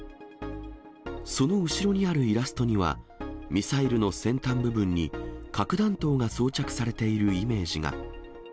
その後ろにあるイラストには、ミサイルの先端部分に、核弾頭が装着されているイメージが。